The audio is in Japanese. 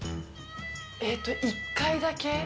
えっと、１回だけ。